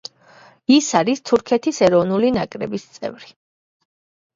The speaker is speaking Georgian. ის არის თურქეთის ეროვნული ნაკრების წევრი.